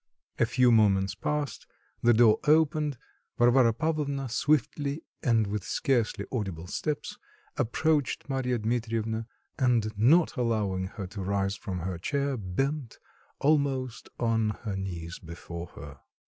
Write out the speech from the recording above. A few moments passed; the door opened, Varvara Pavlovna swiftly and with scarcely audible steps, approached Marya Dmitrievna, and not allowing her to rise from her chair, bent almost on her knees before her.